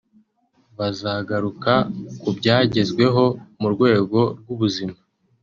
Bazagaruka ku byagezweho mu rwego rw’ubuzima